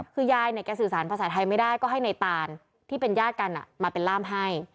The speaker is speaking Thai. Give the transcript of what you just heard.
คือยายเนี่ยแกสื่อสารภาษาไทยไม่ได้ก็ให้ในตานที่เป็นญาติกันมาเป็นล่ามให้